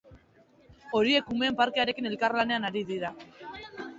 Horiek umeen parkearekin elkarlanean ari dira.